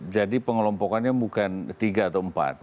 jadi pengelompokannya bukan tiga atau empat